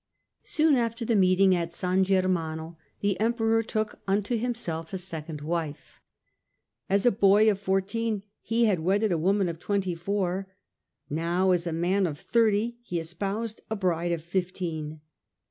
Soon after the meeting at San Germane, the Emperor took unto himself a second wife. As a boy of fourteen he had wedded a woman of twenty four ; now as a man of thirty he espoused a bride of fifteen.